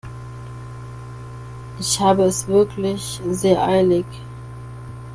Ich habe es wirklich sehr eilig.